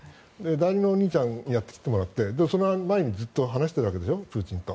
代理のお兄ちゃんにやってきてもらってその前にずっと話してるわけでしょプーチンと。